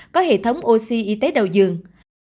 có hệ thống oxy y tế đầu dường